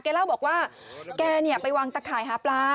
เล่าบอกว่าแกไปวางตะข่ายหาปลา